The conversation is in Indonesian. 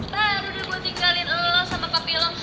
baru deh gue tinggalin elu elu sama papi lo